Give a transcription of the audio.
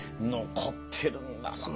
残ってるんだな。